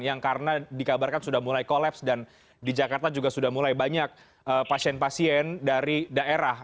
yang karena dikabarkan sudah mulai kolaps dan di jakarta juga sudah mulai banyak pasien pasien dari daerah